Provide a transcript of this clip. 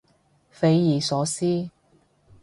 匪夷所思